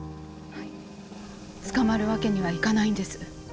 捕まるわけにはいかないんです。